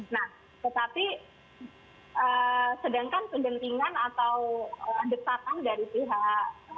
nah tetapi sedangkan kegentingan atau desakan dari pihak